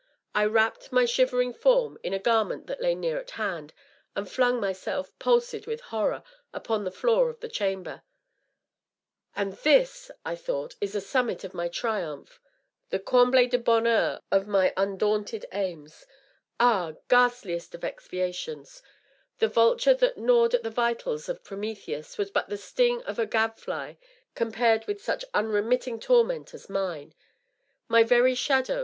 I wrapped my shivering form in a garment that lay near at hand, and flung myself, palsied with horror, upon the floor of the chamber, ..^ And this,' I thought, *is the summit of my triumph — the comhle de bonheur of my undaunted aims ! Ah, ghastliest of expiations ! The vulture that gnawed at the vitals of Prometheus was but the sting of a gadfly com pared with such unremitting torment as mine I My very shadow.